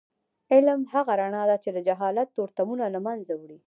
علم هغه رڼا ده چې د جهالت تورتمونه له منځه وړي.